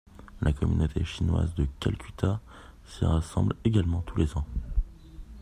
La communauté chinoise de Calcutta s’y rassemble également tous les ans.